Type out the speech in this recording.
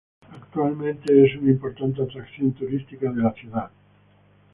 Actualmente es una importante atracción turística de la ciudad.